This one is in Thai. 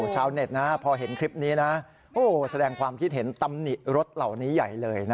ชาวเน็ตนะพอเห็นคลิปนี้นะแสดงความคิดเห็นตำหนิรถเหล่านี้ใหญ่เลยนะ